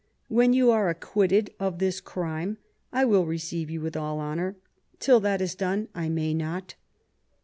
When you are acquitted of this crime I will receive you with all honour ; till that is done, I may not.